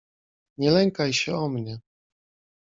"Nie lękaj się o mnie."